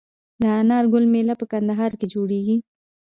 د انار ګل میله په کندهار کې جوړیږي.